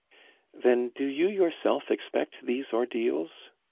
"Then do you yourself expect these ordeals?"